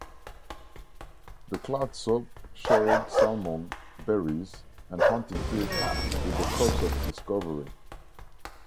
The Clatsop shared salmon, berries, and hunting tips with the Corps of Discovery.